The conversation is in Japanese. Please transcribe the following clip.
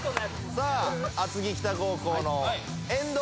さあ厚木北高校の遠藤君。